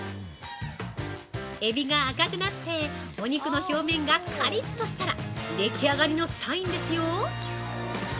◆エビが赤くなってお肉の表面がカリッとしたらでき上がりのサインですよ！